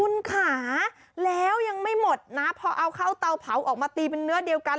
คุณขาแล้วยังไม่หมดนะพอเอาเข้าเตาเผาออกมาตีเป็นเนื้อเดียวกัน